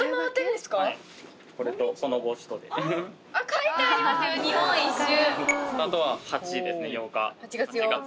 書いてありますよ「日本一周」。